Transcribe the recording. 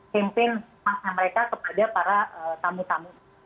campaign emasnya mereka kepada para tamu tamu